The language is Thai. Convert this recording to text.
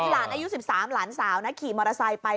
หลานอายุ๑๓หลานสาวนะขี่มอเตอร์ไซค์ไป